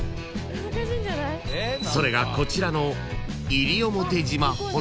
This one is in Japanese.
［それがこちらの］